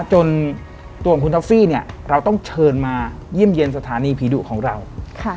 ตัวของคุณท็อฟฟี่เนี่ยเราต้องเชิญมาเยี่ยมเยี่ยมสถานีผีดุของเราค่ะ